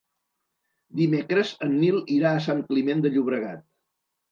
Dimecres en Nil irà a Sant Climent de Llobregat.